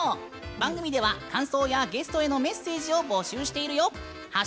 番組では感想やゲストへのメッセージを募集しているよ。